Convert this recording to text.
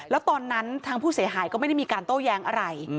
แล้วตอนนั้นทางผู้เสียหายก็ไม่ได้มีการโต้แย้งอะไร